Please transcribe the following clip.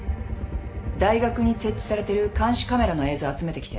大学に設置されてる監視カメラの映像集めてきて。